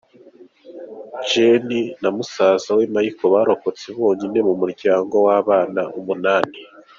Jeanne na musaza we Michel barokotse bonyine mu muryango w’abana umunani.